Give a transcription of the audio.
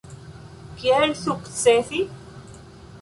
Kiel sukcesi?